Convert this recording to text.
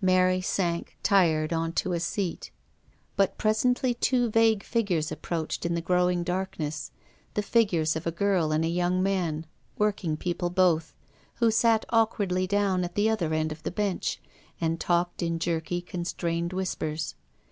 Mary sank tired on to a seat. But pre sently two vague figures approached in the growing darkness — the figures of a girl and a young man, working people both, who sat awkwardly down at the other end of the bench, and talked in jerky, constrained whispers.